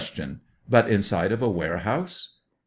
But inside of a warehouse